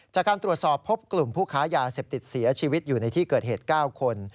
จากการตรวจสอบพบกลุ่มผู้ค้ายาเสพติดเสียชีวิตอยู่ในที่เกิดเหตุ๙คน